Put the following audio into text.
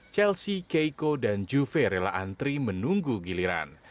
chelsea keiko dan juve rela antri menunggu giliran